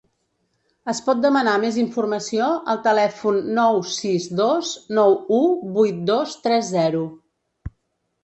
Es pot demanar més informació al telèfon nou sis dos nou u vuit dos tres zero.